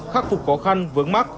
khắc phục khó khăn vướng mắc